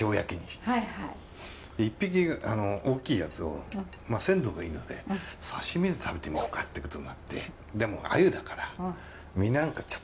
１匹大きいやつを鮮度がいいので刺身で食べてみようかってことになってでも鮎だから身なんかちょっとなんですよ。